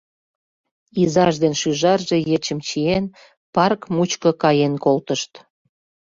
Изаж ден шӱжарже, ечым чиен, парк мучко каен колтышт.